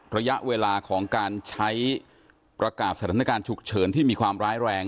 ระยะเวลาของการใช้ประกาศสถานการณ์ฉุกเฉินที่มีความร้ายแรง